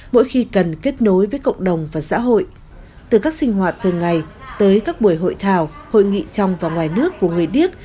mỗi khi cần kết nối với cộng đồng và xã hội từ các sinh hoạt từ ngày tới các buổi hội thảo hội nghị trong và ngoài nước của người điếc